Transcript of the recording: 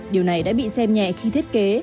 điều này đã bị xem nhẹ khi thiết kế